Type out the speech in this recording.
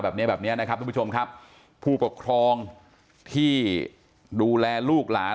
แบบนี้แบบเนี้ยนะครับทุกผู้ชมครับผู้ปกครองที่ดูแลลูกหลาน